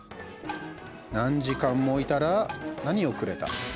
何時間もいたら何をくれた？